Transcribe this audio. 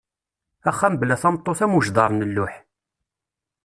Axxam bla tameṭṭut am ujdar n lluḥ.